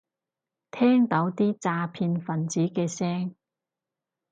聽到啲詐騙份子嘅聲